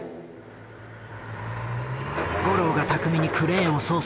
五郎が巧みにクレーンを操作。